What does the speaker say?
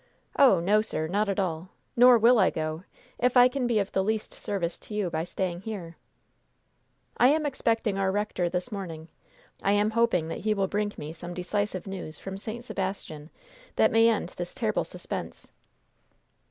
"Oh, no, sir; not at all; nor will I go, if I can be of the least service to you by staying here." "I am expecting our rector this morning. I am hoping that he will bring me some decisive news from St. Sebastian that may end this terrible suspense."